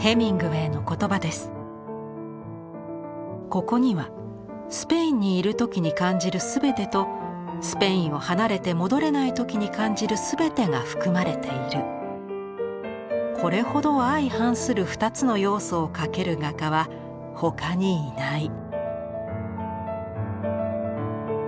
「ここにはスペインにいるときに感じる全てとスペインを離れて戻れないときに感じる全てが含まれているこれほど相反するふたつの要素を描ける画家は他にいない」。